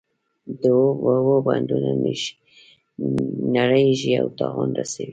د اوبو بندونه نړیږي او تاوان رسوي.